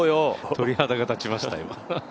鳥肌が立ちました、今。